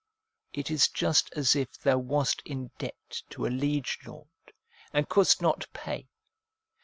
It is just as if thou wast in debt to a liege lord, and couldst not pay.